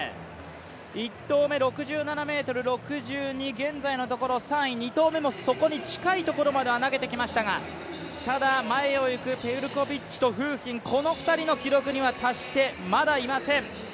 １投目、６７ｍ６２現在のところ３位、２投目のところもそこに近いところまであげてきましたがただ、前を行くペルコビッチ馮彬、この２人の記録にまだ達していません。